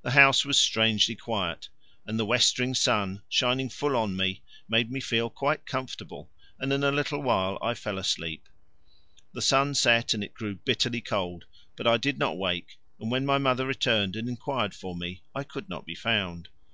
The house was strangely quiet, and the westering sun shining full on me made me feel quite comfortable, and in a little while I fell asleep. The sun set and it grew bitterly cold, but I did not wake, and when my mother returned and inquired for me I could not be found.